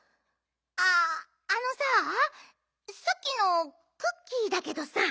あっあのささっきのクッキーだけどさ。